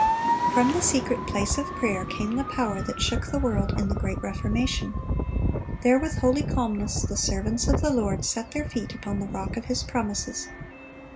(310) From the secret place of prayer came the power that shook the world in the Great Reformation. There with holy calmness, the servants of the Lord set their feet upon the rock of His promises.